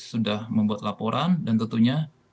sudah membuat laporan dan tentunya